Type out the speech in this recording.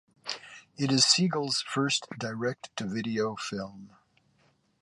It is Seagal's first direct-to-video film.